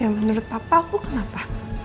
menurut papa aku kenapa